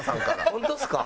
本当ですか？